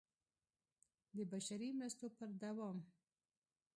د بشري مرستو پر دوام